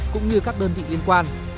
cũng như các đơn vị liên quan